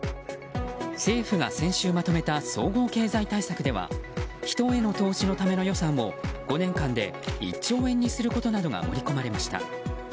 政府が先週まとめた総合経済対策では人への投資のための予算を５年間で１兆円にすることなどが盛り込まれました。